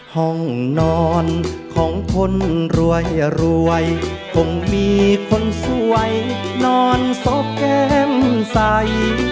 ห้องนอนของคนรวยรวยคงมีคนสวยนอนซบแก้มใส